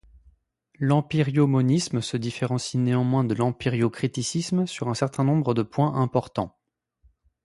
L'empiriomonisme se différencie néanmoins de l'empiriocriticisme sur un certain nombre de points importants.